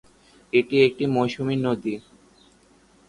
এটি একটি মৌসুমী নদী।